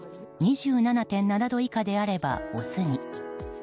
２７．７度以下であればオスに。